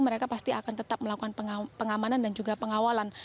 mereka pasti akan tetap melakukan pengamanan dan juga pengawalan